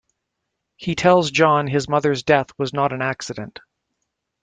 He tells Jon his mother's death was not an accident.